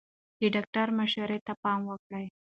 د ډاکټر مشورې ته پام وکړئ.